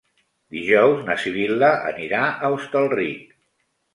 Dijous na Sibil·la anirà a Hostalric.